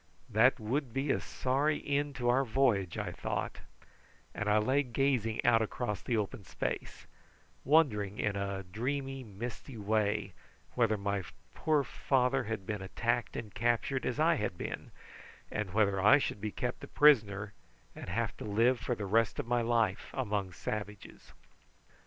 "That would be a sorry end to our voyage," I thought, and I lay gazing out across the open space, wondering in a dreamy misty way whether my poor father had been attacked and captured as I had been, and whether I should be kept a prisoner, and have to live for the rest of my life among savages.